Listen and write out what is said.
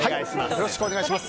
よろしくお願いします。